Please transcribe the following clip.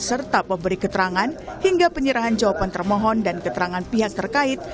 serta pemberi keterangan hingga penyerahan jawaban termohon dan keterangan pihak terkait